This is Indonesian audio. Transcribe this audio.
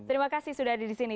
terima kasih sudah ada di sini